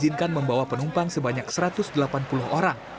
diizinkan membawa penumpang sebanyak satu ratus delapan puluh orang